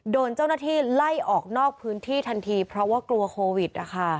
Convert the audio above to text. โดนเจ้าหน้าที่ไล่ออกนอกพื้นที่ทันทีเพราะว่ากลัวโควิด